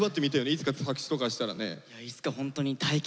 いつか作詞とかしたらね。